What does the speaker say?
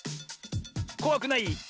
こわくない？